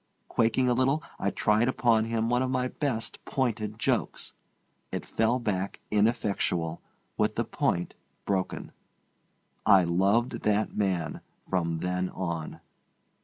Quaking a little, I tried upon him one of my best pointed jokes. It fell back ineffectual, with the point broken. I loved that man from then on.